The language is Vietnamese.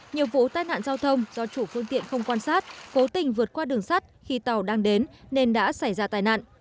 nhiều vụ tai nạn giao thông do chủ phương tiện không quan sát cố tình vượt qua đường sắt khi tàu đang đến nên đã xảy ra tai nạn